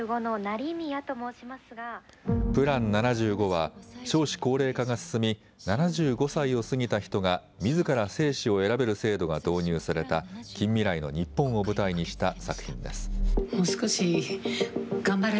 ７５は少子高齢化が進み７５歳を過ぎた人がみずから生死を選べる制度が導入された近未来の日本を舞台にした作品です。